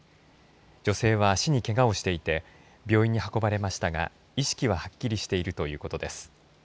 女性は足にけがをしていて病院に運ばれましたが意識ははっきりしているということです。